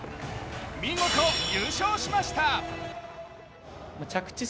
見事、優勝しました。